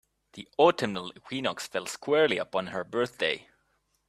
The autumnal equinox fell squarely upon her birthday.